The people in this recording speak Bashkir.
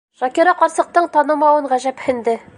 Шакира ҡарсыҡтың танымауын ғәжәпһенде.